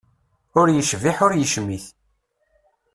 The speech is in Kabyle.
Ur yecbiḥ ur yecmit.